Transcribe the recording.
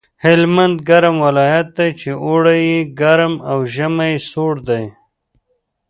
هلمند ګرم ولایت دی چې اوړی یې ګرم او ژمی یې سوړ دی